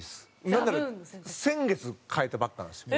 なんなら先月替えたばっかなんですよ。